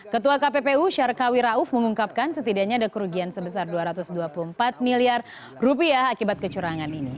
ketua kppu syarkawi rauf mengungkapkan setidaknya ada kerugian sebesar dua ratus dua puluh empat miliar rupiah akibat kecurangan ini